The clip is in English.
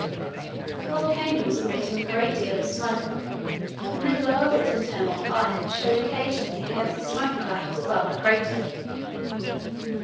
The volcano was emitting a great deal of smoke, and the glow of its internal fires showed occasionally against the smoke clouds above the crater.